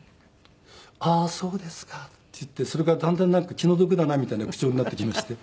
「ああーそうですか」って言ってそれからだんだんなんか気の毒だなみたいな口調になってきまして。